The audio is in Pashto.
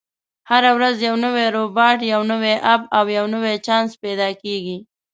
هره ورځ یو نوی روباټ، یو نوی اپ، او یو نوی چانس پیدا کېږي.